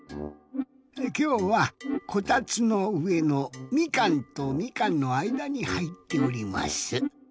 きょうはこたつのうえのみかんとみかんのあいだにはいっております。